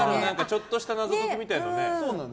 ちょっとした謎解きみたいなね。